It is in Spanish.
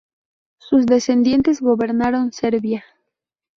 Sus descendientes gobernaron Serbia.